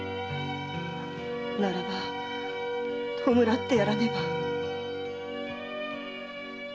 ならば弔ってやらねば。